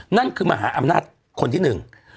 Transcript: นั่นคือมหาอำนาจคนที่หนึ่ง